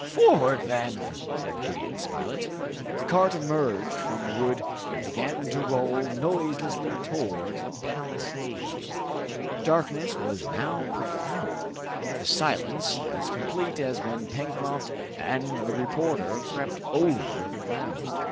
"Forward, then!" said Gideon Spilett. The cart emerged from the wood and began to roll noiselessly towards the palisade. The darkness was now profound, the silence as complete as when Pencroft and the reporter crept over the ground.